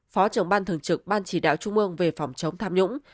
phó trưởng ban thường trực ban chỉ đạo trung ương về phòng chống tham nhũng